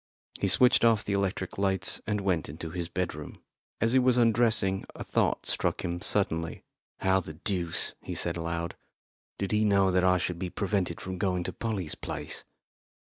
He switched off the electric lights and went into his bedroom. As he was undressing a thought struck him suddenly. "How the deuce," he said aloud, "did he know that I should be prevented from going to Polly's place?"